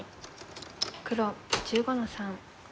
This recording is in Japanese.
黒１５の三。